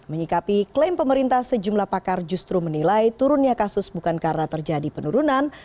menyikapi klaim pemerintah sejumlah pakar justru menilai turunnya kasus bukan karena terjadi penurunan